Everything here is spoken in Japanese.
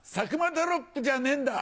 ドロップじゃねえんだ。